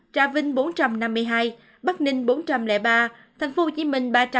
trà vinh bốn trăm năm mươi hai bắc ninh bốn trăm linh ba tp hcm ba trăm tám mươi bảy